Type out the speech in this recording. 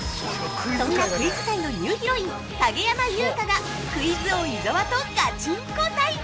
そんなクイズ界のニューヒロイン影山優佳がクイズ王・伊沢とガチンコ対決！